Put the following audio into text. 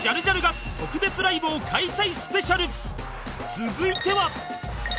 続いては